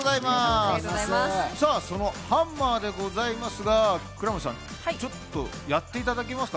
そのハンマーでございますが、倉持さん、ちょっとやっていただけますか。